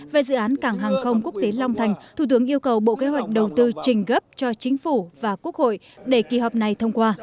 về dự án cảng hàng không quốc tế long thành thủ tướng yêu cầu bộ kế hoạch đầu tư trình gấp cho chính phủ và quốc hội để kỳ họp này thông qua